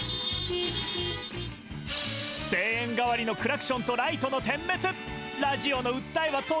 声援代わりのクラクションとライトの点滅。